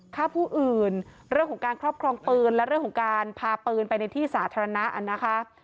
ฆ่าผู้อื่นเรื่องของการครอบครองปืนและเรื่องของการพาปืนไปในที่สาธารณะนะคะ